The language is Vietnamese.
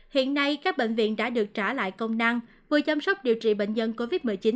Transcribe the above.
hiện nay các bệnh viện đã được trả lại công năng vừa chăm sóc điều trị bệnh nhân covid một mươi chín